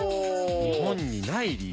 日本にない理由。